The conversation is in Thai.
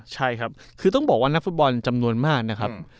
ใช่ครับคือต้องบอกว่านักฟุตบอลจำนวนมากนะครับ